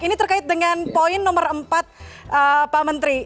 ini terkait dengan poin nomor empat pak menteri